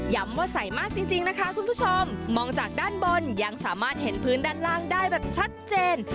ว่าใสมากจริงนะคะคุณผู้ชมมองจากด้านบนยังสามารถเห็นพื้นด้านล่างได้แบบชัดเจน